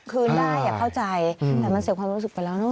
คืนได้อย่าเข้าใจแต่มันเสียความรู้สึกไปแล้วเนอ